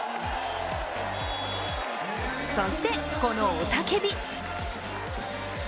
そしてこの雄たけび。